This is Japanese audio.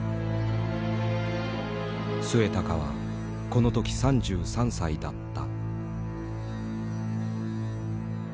末高はこの時３３歳だった。